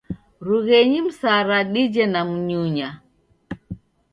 Rughenyi msara dije na mnyunya.